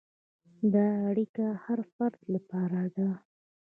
دا اړیکه د هر فرد لپاره ده.